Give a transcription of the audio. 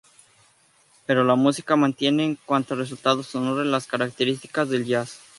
Pero la música mantiene, en cuanto a resultado sonoro, las características del jazz.